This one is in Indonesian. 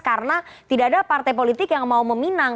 karena tidak ada partai politik yang mau meminang